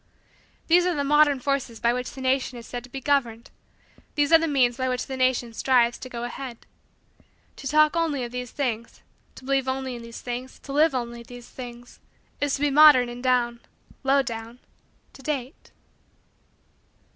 These are the modern forces by which the nation is said to be governed; these are the means by which the nation strives to go ahead. To talk only of these things, to believe only in these things, to live only these things, is to be modern and down low down to date.